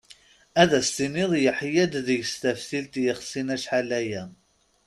Ad as-tiniḍ yeḥya-d deg-s taftilt yexsin acḥal-aya.